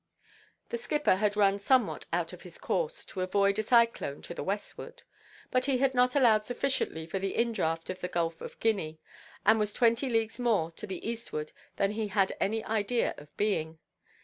The skipper had run somewhat out of his course to avoid a cyclone to the westward, but he had not allowed sufficiently for the indraught of the Gulf of Guinea, and was twenty leagues more to the eastward than he had any idea of being.